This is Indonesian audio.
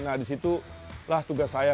nah di situlah tugas saya